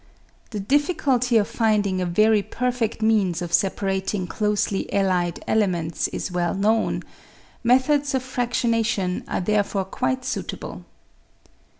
The difficulty of finding a very perfed means of separating closely allied elements is well known ; methods of fradion ation are therefore quite suitable.